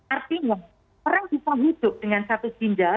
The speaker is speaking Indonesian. artinya orang bisa hidup dengan satu ginjal